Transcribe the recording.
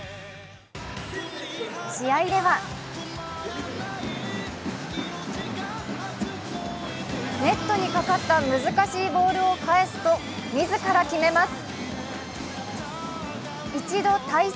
試合ではネットにかかった難しいボールを返すと自ら決めます。